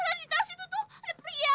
dan kita gimana mau hidup hah